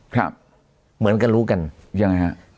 ครับเหมือนกันรู้กันยังไงฮะ